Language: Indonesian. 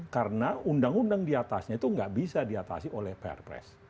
karena undang undang di atasnya itu nggak bisa diatasi oleh pr press